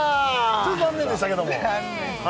ちょっと残念でしたけども残念です